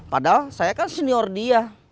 padahal saya kan senior dia